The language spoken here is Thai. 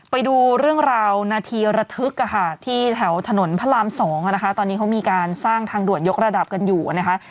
ไปดูเรื่องราวนาทีระทึกที่แถวถนนพระราม๒นะคะตอนนี้เขามีการสร้างทางด่วนยกระดับกันอยู่นะคะ